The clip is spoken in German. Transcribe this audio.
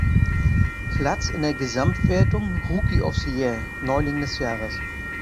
Platz in der Gesamtwertung Rookie of the Year, Neuling des Jahres.